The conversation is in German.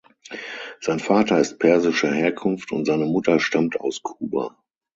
Sein Vater ist persischer Herkunft und seine Mutter stammt aus Kuba.